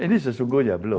ini sesungguhnya belum